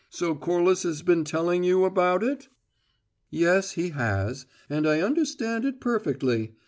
So Corliss has been telling you about it?" "Yes, he has; and I understand it perfectly.